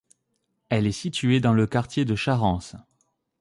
Elle est située dans le quartier de Charance.